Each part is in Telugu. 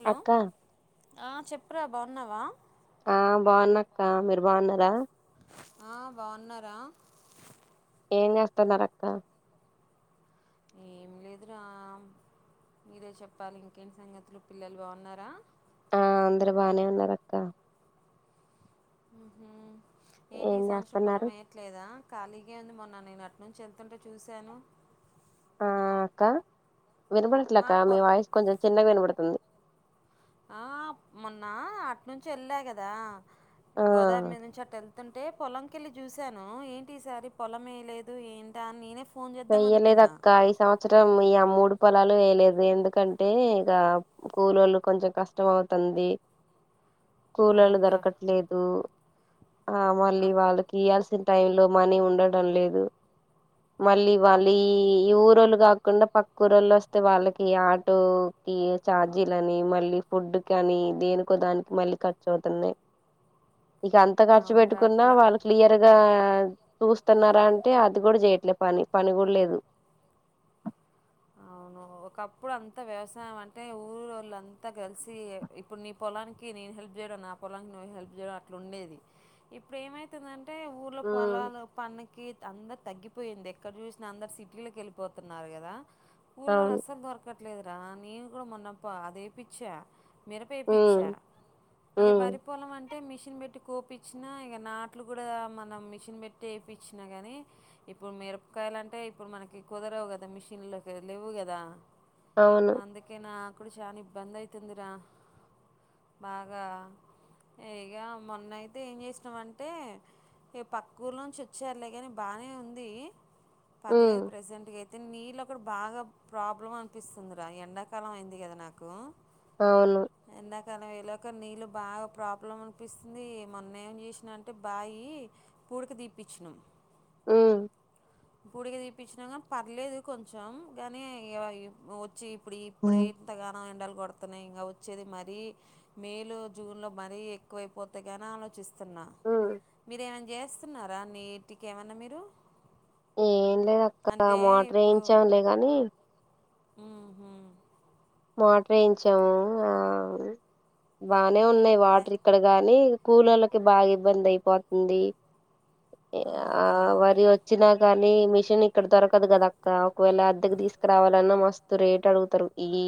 హలో అక్కా ఆ చెప్రా బాన్నవా ఆ బాన్నక్క మీరు బాన్నరా ఆ బాగున్నార ఏం జేస్తున్నారు అక్క ఏమ్ లేదు రా మీరే చెప్పాలి ఇంకేంటి సంగతులు పిల్లలు బాగున్నారా ఆ అందరు బానే ఉన్నారు అక్క ఉమ్ ఏంటి ఏం ఈ సౌత్సరం పొలం చేస్తున్నారు ఎప్య్యట్లేదా ఖాళీగే మొన్న నేను అట్నుంచి ఎళ్తుంటే చూశాను హా అక్కా వినబడట్లే ఆ అక్క పొ మీ వాయిస్ కొంచెం చిన్నగ్ వినబడుతుంది ఆ మొన్న అట్నుంచి ఎళ్ళా గదా ఆ గోదారి మీద్నుంచి అటె ఉంటే పొలంకెళ్ళి చూశాను ఏంటి ఈసారి పొలం ఎయలేదు ఏంటా అని నేనే ఫ్ వెయ్యలేదక్కా ఈ సౌత్సరం ఈ మూడు పొలాలు ఎయలేదు ఎందుకంటే ఇగ కూలోళ్ళు కొంచెం కష్టం అవుతంది కులోళ్లు అవునరా దొరకట్లేదు ఆ మళ్ళి అప్ వాళ్ళకివల్సి టైమ్లో మనీ ఉండడం లేదు మళ్ళీ అప్ వాళ్ళీ ఊరోళ్ళు కా కొండ పక్క ఊరోళ్లోస్తే వాళ్ళకి ఆటో కి ఛార్జీలని మళ్ళీ ఫుడ్ కని దేనుకో దానికి మళ్ళి ఖర్చు అవుతున్నాయి ఇక అంత ఖర్చు అవునరా పెట్టుకున్నా అప్పుడు వాళ్ళు క్లియర్గా చూస్తన్నారా అంటే అది గుడా చెయట్లే పని పని గుడ్ లేదు ఔనూ ఒకప్పుడంత వ్యవసాయం అంటే ఊరోళ్ళ అంత గల్డి ఇప్పుడు నీ పొలానికి నేను హెల్ప్ చేయడం నా పొలానికి నువ్వు హెల్ప్ చేయడం అట్ల ఉండేది ఇప్పుడు ఏమైతుందం టే ఊర్లో ఉమ్ పోలలు పనికి అందర్ తగ్గిపోయింది ఎక్కడ జుష్ణ అందరు సిటీలకి ఎల్పోతున్నరు గదా కూలోల్లు అవును అసల్ దొరుక లేదురా నేన్గుడ మొన్నప్ప అదేపిచ్చా మిరపేపిచ్చా ఉమ్ ఇగ ఉమ్ వరిపొలం అంట్ అంటె మిషిన్ బెట్టి కోపిచ్చినా ఇగ నాట్లు గుడా మనం మిషన్ బెట్టే ఎపిచ్చిన గనీ ఇప్పుడు మిరపకాయలంటే ఇప్పుడు మనకి కుదరవు గదా మిషిన్లో లేవ్వు గదా అవును అందుకె నా ఇప్పుడు చాన ఇబ్బంది ఐతుందిరా బాగా ఇగ మొన్నైతే ఏం జేశ్నమంటే ఏ పక్కుర్లోంచి ఒచ్చార్లే గని బానే ఉందీ ఉమ్ పర్లేదు ప్రసెంట్గై నీళం అక్కడ బాగా ప్రాబ్లం అనిపిస్తుందిరా, ఎండాకాలం అయింది కదా నాకు. అవును ఎండాకాలం ఇలాకని వెళ్లక నీళ్ళు బాగా ప్రాబ్లం అనిపిస్తుంది. మొన్న ఏం చేసిన అంటే బాయి పూడికి దీప్పచ్చినాం. ఉ పూడిగా తీపించినక పర్లేదు కొంచం గానీ వచ్చి ఇప్పుడు ఇప్పుడే ఉమ్ ఇంతగాణం ఏండాల కొడుతున్నాయి ఇంకా వచ్చేది మరీ మే లో, జూన్ లో మరీ ఎక్కువైపోతే ని ఆలోచిస్త సన్నా ఉమ్ మీరే మన్న చే ఇస్తున్నారా నీటికి ఏమన్నా మీరు ఏం లేదు అక్క అంటే మోటర్ ఎం చ్చంలే గానీ అ హ మోటార్ ఏయించాము ఆ బా నే ఉన్నాయి. అయ్- వాటర్ ఇక్కడ గాని స్కూలలకి బాగా ఇబ్బంది అయిపోతుంది. ఆ అవునా వరి వచ్చినాక కానీ మిషన్ ఇక్కడ దొరకదు కదా అక్క. ఒకవేళ అద్దెకు తీసుకురావాలన్నా మస్తు రేట్ అడుగుతారు. ఈ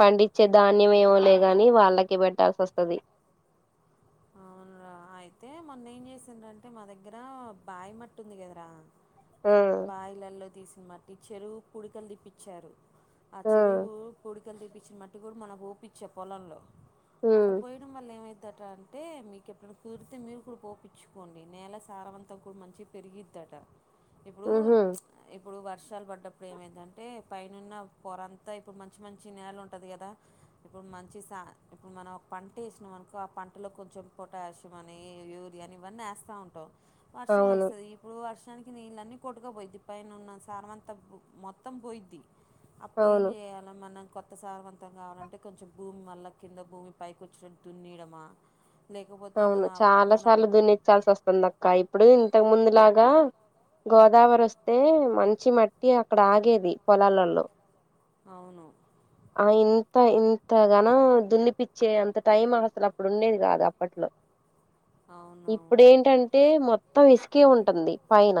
పండించే ధాన్యం ఏమొలే గాని వాళ్ళకి పెట్టాల్సి వస్తది. అవునురా అయితే మొన్న ఏం చేసండంటే మా దగ్గర బాయి మట్టు ఉంది కదరా. ఆ బాయిలల్లో తీసు మా టీచరు పుడికలు దిప్పించారు. ఆ చెరువు కుడి తీపచ్చిన మట్టు కూడా మనకు ఊపించే పొలంలో అట్ట ఉమ్ పోయిడం వల్ల ఎంవుతా టన్ అంటే మీకెప్పుడు కుదిరితే మీరు కూడా పోపించుకోండి నేల సారం అంతా కూడా మంచిగా పెరిగిద్దట. ఇప్పుడు ఉహు చ్ ఇప్పుడు వర్షాలు పడ్డప్పుడు ఏమైందంటే పైనున్న పొరంతా ఇప్పుడు మంచి మంచి నేల ఉంటుంది కదా. ఇప్పుడు మంచి సా ఇప్పుడు మనం ఒక పంట వేసినాం అనుకో ఆ పంట అంటలో కొంచెం పొటాషియం అని, యూరియా అని ఇవన్నీ వేస్తూ ఉంటాం. వర్షం అవును వస్తది. ఇప్పుడు వర్షం మొత్తనికి నికి నీళ్ళీ కొట్టు పోయిద్ది పైన ఉన్న సార్ అంతా మొత్తం పోయిద్ది. అప్పుడెం అవును చేయాల మనకు కొత్త సారావన్తం కావాలంటే కొంచెం భూమి మళ్ళ కింద భూమి పైకి వచ్చే దున్నయడమా అవును చాలా సార్లు దున్నిచ్చాల్సి వస్తుంది అక్క ఇప్పుడు. ఇంతకు ముందులాగా గోదావరి వస్తే మంచి మట్టి అక్కడ ఆగేది పొలాలలో అవును అంత ఇంతగాన దున్ని పిచ్చే అంత టైం అసలు అప్పుడు ఉండేది కాదు అప్పట్లో ఇప్పుడు అవునవును ఏంటంటే మొత్తం ఇసుకే ఉంటది పైన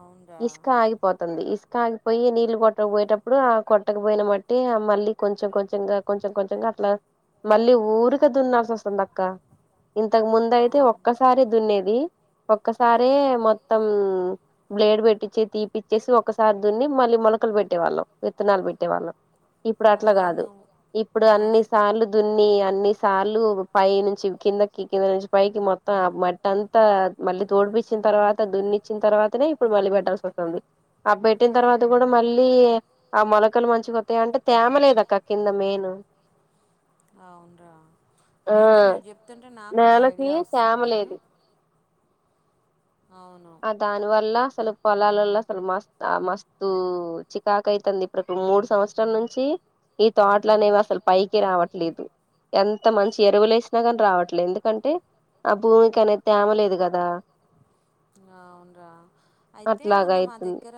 అవునరా ఇసుక ఆగిపోతుంది ఇసుక ఆగిపోయి నీ ఇలు కొట్టక పోయేటప్పుడు ఆ కొట్టక పోయిన మట్టి మళ్ళీ కొంచెం కొంచెంగా కొంచెం కొంచెంగా అట్లా మళ్ళీ ఊరికే దున్నాల్సి వస్త వస్తుంది అక్క ఇంతకు ముందు అయితే అవును ఒక్కసారి దున్నేది ఒక్క సారే మొత్తం బ్లేడ్ పెట్టించి తీపిచ్చేసి ఒకసారి దున్ని మళ్ళీ మొలకలు పెట్టేవాళ్ళం విత్తనాలు పెట్టేవాళ్ళం ఇప్పుడు అట్లా అదే కాదు నువ్వు ఇప్పుడు అన్ని అదే సార్లు దున్ని అన్ని చాలు పైనుంచి కిందకి కింద నుంచి పైకి మొత్తం ఆ మట్టి అంతా మళ్లీ తోడిపిచ్చిన తర్వాత దున్నిచ్చిన తర్వాతనే ఇప్పుడు మళ్లీ పెట్టాల్సి వస్తుంది ఆ పెట్టిన తర్వాత కూడా మళ్లీ ఆ మొలకలు మంచిగా వస్తాయి అంటే తేమ లేదా అక్క క్రింద మెయిన్ అవున్రా ఆ అయితే నువ్వు చెప్తుంటే నాకు ఒక నేలకి ఐడియా తేమ వస్తుంది లేదు అవు ఆ దాని వల్ల అసలు పొలాలలో అసలు మస్తు ఆ మస్తు చికాకు అయితంది ఇప్పుడు మూడు సంవత్సరాల నుంచి ఈ తోటల అనేవి అసలు పైకి రావట్లేదు ఎంత మంచి ఎరువులే వేసినా కాని రావట్లేదు ఎందుకంటే ఆ భూమికి అనేది తేమ లేదు కదా అవున్రా అయితే అట్లాగ మొన్న మా అయితుంది దగ్గర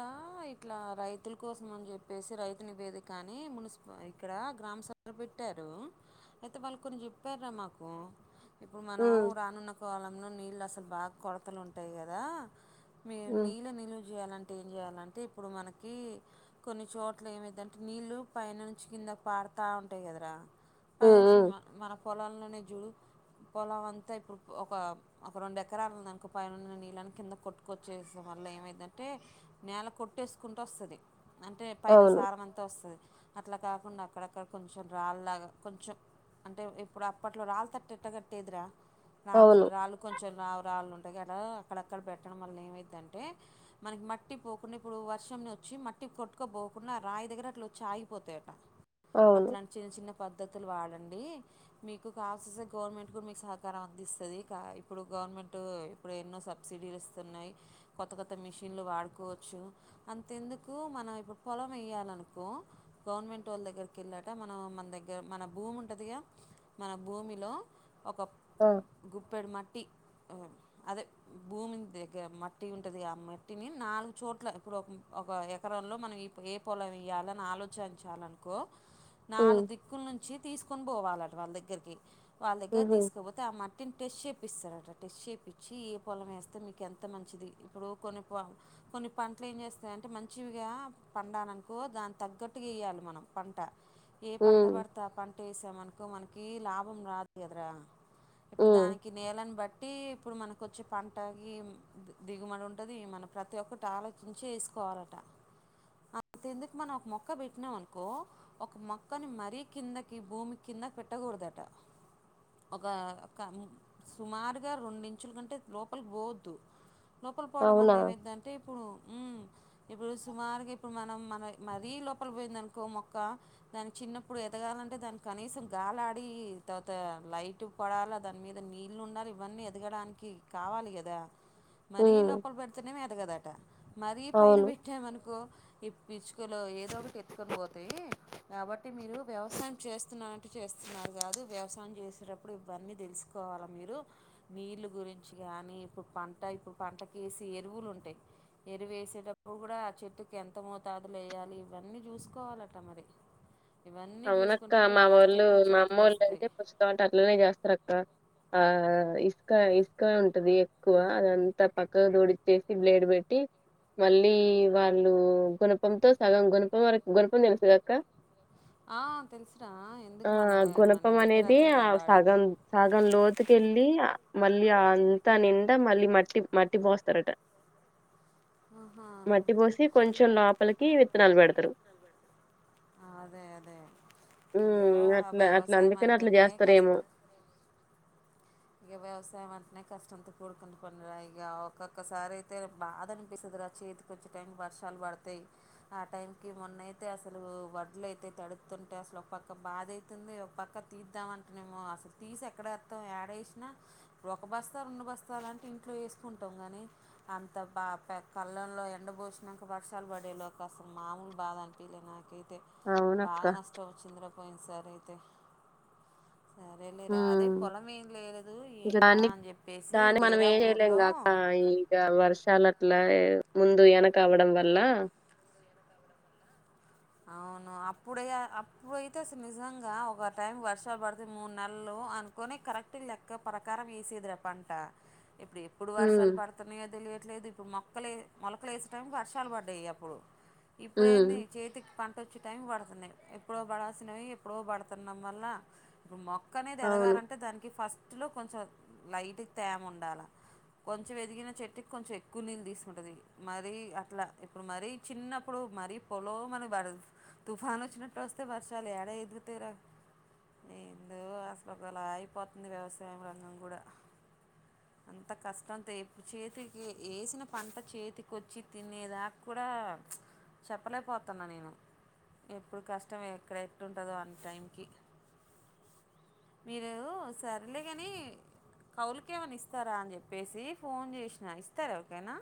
ఇట్లా రైతుల కోసం అని చెప్పేసి రైతుని వేది కాని మున్సిప ఇక్కడ గ్రామ సభలు పెట్టారు అయితే వాళ్ళు కొన్ని చెప్పార రా మాకు ఇప్పుడు మనం ఉమ్ రానున్న పొలంలో నీళ్లు అసలు బాగా కొడతలు ఉంటు ంటాయి కదా మీ ఉమ్ నీల నీలు చేయాలంటే ఏం చేయాలంటే ఇప్పుడు మనకి కొన్ని చోట్ల ఏమైంది అంటే నీళ్ళు పైన నుంచి కింద పారాతా ఉంటాయి కదరా ఉమ్ ఉమ్ ఫ్యాన్సీమ్మ మనకు పొలల్లోనే చూడు పొలం అంతా ఇప్పుడు ఒక ఒక రెండు ఎకరాల ఉందనుకో పైనున్న నీళ్ళని కింద కొట్టుకొచ్చేసం వల్ల ఏమైందంటే నేల కొట్టేసుకుంటూ వస్తది అంటే పైన అవును సారం అంతా వస్తది అట్లా కాకుండా అక్కడక్కడ కొంచెం రాళ్లాగా కొంచెం అంటే ఇప్పుడు అప్పట్లో రాళ్లు తట్టేట్ట కట్టేదిరా నాలు అవును రాళ్ళు కొంచెం చిన్నవి రాళ్లు ఉన్ అటాగే అట్లా అక్కడక్కడ పెట్టడం వల్ల ఏమైంది అంటే మనకి మట్టి పోకుండా ఇప్పుడు వర్షంని వచ్చి మట్టి కొట్టుపోకుండా రాయి దగ్గర అట్లా వచ్చి ఆగిపోతాయట అవును అట్లానే చేసినం పద్ధతులు వాడండి మీకు కావాల్సి వస్తే గవర్నమెంట్ కూడా మీకు సహకారం అందిస్తుంది ఇప్పుడు గవర్నమెంట్ ఇప్పుడు ఎన్నో సబ్సిడీలు ఇస్తున్నాయి కొత్త కొత్త మిషన్లు వాడుకోవచ్చు అంతేందుకు మనం ఇప్పుడు పొలం వేయాలనుకో గవర్నమెంట్ వాళ్ళ దగ్గరికి వెళ్ళట మనం మన దగ్గర మన భూమి ఉంటుందిగా మన భూమిలో ఒక ఆ గుప్పేడు మట్ టి ఈవో అదే భూమిన్ దగ్గర మట్టి ఉంటదిగా. ఆ మట్టిని నాలుగు చోట్ల ఇప్పుడు ఒక ఎకరంలో మనం ఈ ఏ పొలం ఏయాలని ఆలోచించాలనుకో ఉమ్ నాలుగు దిక్కుల్ నుంచి తీసుక్ కొన్ బోవాలంట్ వాళ్ళ దగ్గరికి వాళ్ళ దగ్గర ఉహు తీసుకోపోతే ఆ మట్టిని టేషేక్ పిస్తరాట టేస్షేపి చ్చి ఏ పొలం వేస్తే మీకు ఎంత మంచిది. ఇప్పుడు కొన్ని ప కొన్ని పంటలు ఏం చేస్తాయంటే. మంచివిగా పండలనుకో దాని తగ్గట్టుగా ఏయాలి. మనం పంట ఏ పంట ఉమ్ భడ్తే ఆ పంట ఏసామను కో మనకి లాభం రాదు గదరా. ఇప్పుడు ఉమ్ దానికి నేలన్ బట్ ట్టి ఇప్పుడు మనక్ కొచ్చే పంటకి ది దిగుమడి ఉంటది. మనం ప్రతి ఒక్కటి ఆలోచించి ఏసుకోవాలట. అంత ఎందుకు మనం ఒక మొక్క పెట్టినాం అనుకో ఒక మొక్కని మరీ కిందకి భూమి కిందకి పెట్టకూడదట. ఒక సుమారుగా రెండు ఇంచ్ చ్చుల కంటే లోపలికి పోవద్దు. లోపల పోవడం వల్ల అవునా ఏమయిదాంటే ఇప్పుడు. ఉహ్మ్ ఇప్పుడు సుమారుగా ఇప్పుడు మనం. మన మరీ లోపల పోయిందినుకో మొక్క దానికి చిన్నప్పుడు ఎదగాలంటే దాని కనీసం గాలాడి. తర్వాత లైట్ పడాల దాని మీద నీళ్ళు ఉండాలి. ఇవన్నీ ఎదగడానికి కి కావాలి కదా మరీ ఉమ్ లోపల పెడతనే గాదాట మరీ పైన అవును పెట్టామనుకో ఈ పిచ్చుకలో ఏదో ఒకటి ఎత్తుకొని పోతాయి. కాబట్టి మీరు వ్యవసాయం చేస్తున్నంటు చేస్తున్నారు కాదు. వ్యవసాయం చేసేటప్పుడు ఇవన్నీ తెలుసుకోవాల మీరు నీళ్ళు గురించ్ చి గానీ ఇప్పుడు పంట ఇప్పుడు పంటకి వేసి ఎరువులు ఉంటాయి. ఎరువు వేసేటప్పుడు కూడా ఆ చెట్టుకి ఎంత మోతాదు లేయాలి. ఇవన్నీ చూసుకోవాలట మరి ఇవన్నీ అవునక్క చూసుకుంటేనే మా వోళ్ళు, లాస్ట్కి మా చేతికి అమ్మోళ్ళు వస్తాయి అయితే ప్రస్తుతం అంటే అట్లనే చేస్తారక్క. ఆహ్ ఇసుక ఇసుక ఉంటది. ఎక్కువ అదంతా పక్కగా తోడిచ్చేసి. బ్లేడ్ పెట్టి మళ్ళీ వాళ్ళు గుణపంతో సగం గుణపం వరకు గుణపం తెలుసు గక్క తెలుసురా ఆ ఎందుకు మన మన గుణపం దగ్గర అనేది ఆ అదేగా వాడేది సగం సగం లోతుకెళ్ళి. ఆ మళ్ళీ అంతా నిండా మళ్ళీ మట్టి మట్టి పోస్తారట. ఆహా మట్టి పోసి కొంచెం నాపలికి. కి విత్తనాలు పెడతారు. ఆహ్ ఉహ్మ్ అట్లా అట్లా వ్యవసాయం అందుకనే అట్లా అంటేనే చేస్తారేమో. ఇగ వ్యవసాయం అంటేనే కష్టంతో కూడుకున్న పని రా. ఇగా ఒక్కొక్కసారి అయితే బాధ అనిపిస్తది రా. చేతికొచ్చే టైం వర్షాలు పడతాయి. ఆ టైం కి మొన్నయితే అసలు వడ్లు అయితే తడుతుంటే అసలు ఒక పక్క బాధ అయితుంది. ఒక పక్క తీద్దాం అంటేనేమో అసలు తీసి ఎక్కడ ఏత్తం యాడయి. సిన ఒక బస్తా రెండు బస్తాలంటే ఇంట్లో వేసుకుంటాం. గానీ అంత బా కళ్ళల్లో ఎండ పోసినాక వర్షాలు పడేలోకాసలు మాములు బాధ అనిపిలే నాకైతే తే అవునక్క బాగా నష్టం వచింద్రపోయింసార్ అయితే సరే లేరా అదే పోలమేంలేద్ ఇక్కడ అన్ని. దాన్ని మనం ఏం చేయలేము ఊర్లో కాక్క ఇగా వర్షాల్ అట్లా ముందు వెనక అవ్వడం వల్ల అవును అప్పుడై అప్పుడైతే అసలు నిజంగా ఒక టైం వర్షాలు పడుతుయి మూడు నెలలు అనుకున కరెక్ట్ లెక్క ప్రకారం వేసేది రే పంట ఇప్పుడు ఎప్పుడు ఉమ్ వర్షాలు పడుతున్నాయో తెలియట్లేదు ఇప్పుడు మొ మొలకలు వేసే టైమ్ కి వర్షాలు పడ్డాయి అప్పుడు ఉమ్ ఇప్పుడేంది చేతి పంట వచ్చే టైం పడుతున్నాయి ఎప్పుడో పడాల్సినవి ఎప్పుడో పడుతున్న వల్ల పంటనేది అవును ఎదగాలంటే దానికి ఫస్ట్ చెట్లో కొంచెం లైట్ తేమ ఉండాలి కొంచెం ఎదిగిన చెట్టుకి కొంచెం ఎక్కువ నీళ్ళు తీసుకుంటుంది మరీ అట్లా ఇప్పుడు మరీ చిన్నప్పుడు మరీ పొలో మన పడు తుఫాను వచ్చినట్టు వస్తే వర్షాలు ఏడా ఎదిగుతరా ఏందో అసలు ఒకలా అయిపోతుంది వ్యవసాయం రంగం కూడా అంత కష్టంతో చేతికి వేసిన పంట చేతికి వచ్చి తినేదా కూడా చెప్పలేకపోతున్నా నేను ఎప్పుడు కష్టం ఎక్కడ ఎట్టుంటుందో అన్న టైంకి మీరు సరేలే కాని కౌలుకి ఏమైనా ఇస్తారా అని చెప్పేసి ఫోన్ చేసినా ఇస్తారా ఎవరికైనా